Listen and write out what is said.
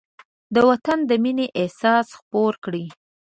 د وطن د مینې احساس خپور کړئ.